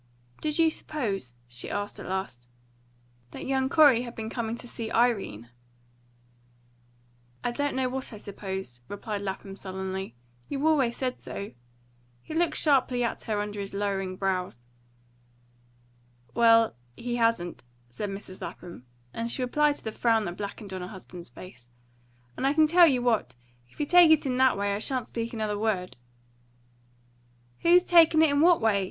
"Did you suppose," she asked at last, "that that young Corey had been coming to see Irene?" "I don't know what I supposed," replied Lapham sullenly. "You always said so." He looked sharply at her under his lowering brows. "Well, he hasn't," said Mrs. Lapham; and she replied to the frown that blackened on her husband's face. "And I can tell you what, if you take it in that way I shan't speak another word." "Who's takin' it what way?"